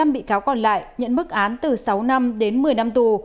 một mươi năm bị cáo còn lại nhận mức án từ sáu năm đến một mươi năm tù